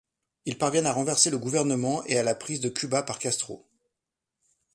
Ils parviennent à renverser le gouvernement et à la prise de Cuba par Castro.